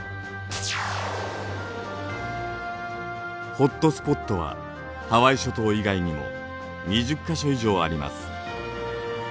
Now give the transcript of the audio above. ホットスポットはハワイ諸島以外にも２０か所以上あります。